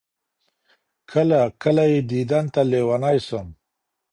كله، كله يې ديدن تــه لـيونـى سم